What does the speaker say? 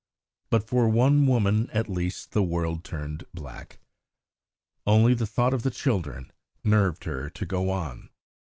But for one woman at least the world turned black. Only the thought of the children nerved her to go on.